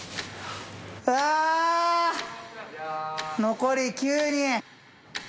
残り９人。